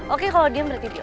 oke kalo dia berarti deal